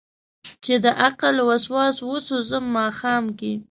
چې دعقل وسواس وسو ځم ماښام کې